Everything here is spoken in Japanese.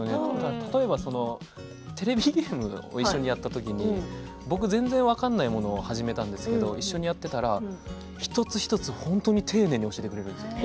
例えば、テレビゲームを一緒にやった時に僕、全然分からないものを始めたんですけど一緒にやっていたら一つ一つ、本当に丁寧に教えてくれるんですよ。